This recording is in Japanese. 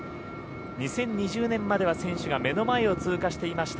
２０２０年までは選手が目の前を通過していました。